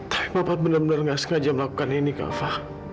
tapi papa bener bener gak sengaja melakukan ini kafa